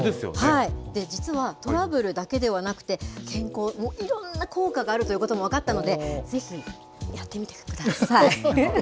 実は、トラブルだけではなくて、健康も、いろんな効果があるということも分かったので、ぜひ、やってみてください。